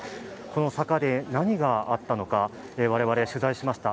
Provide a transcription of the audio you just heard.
この坂で何があったのか、我々、取材しました。